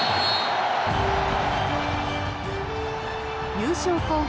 優勝候補